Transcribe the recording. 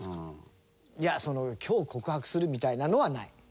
いやその今日告白するみたいなのはない。